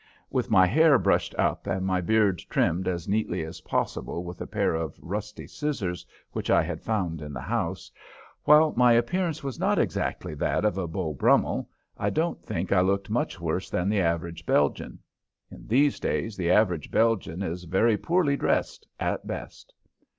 With my hair brushed up and my beard trimmed as neatly as possible with a pair of rusty scissors which I had found in the house, while my appearance was not exactly that of a Beau Brummel, I don't think I looked much worse than the average Belgian. In these days, the average Belgian is very poorly dressed at best.